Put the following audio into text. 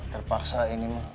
terpaksa ini mah